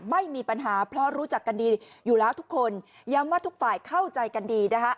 ไม่มีปัญหาเพราะรู้จักกันดีอยู่แล้วทุกคนย้ำว่าทุกฝ่ายเข้าใจกันดีนะคะ